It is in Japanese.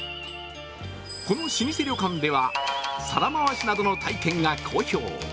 この老舗旅館では皿回しなどの体験が好評。